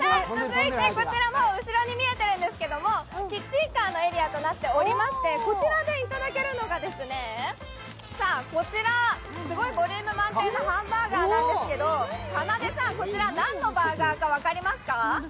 後ろに見えてるんですけどキッチンカーのエリアとなっていましてこちらでいただけるのがこちら、すごいボリューム満点のハンバーガーなんですけど、かなでさん、こちら何のバーガーか分かりますか？